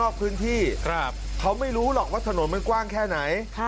พื้นที่เขาไม่รู้หรอกว่าถนนมันกว้างแค่ไหน